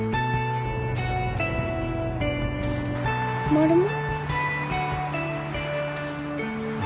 マルモ？